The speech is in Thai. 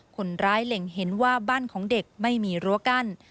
คนร้ายเหล่งเห็นว่าบ้านของเด็กไม่มีรั้วกัน